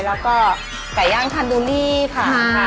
แล้วก็ไก่ย่างทันดูลี่ค่ะ